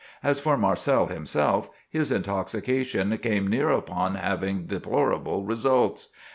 As for Marcel himself, his intoxication came near upon having deplorable results.